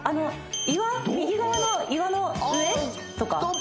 岩右側の岩の上とか？